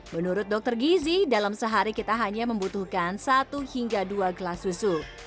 menurut dokter gizi dalam sehari kita hanya membutuhkan satu hingga dua gelas susu